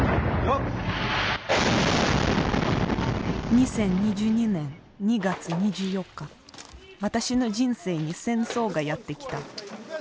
２０２２年２月２４日私の人生に「戦争」がやってきた。